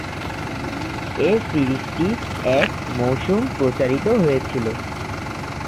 এ সিরিজটি এক মৌসুম প্রচারিত হয়েছিল।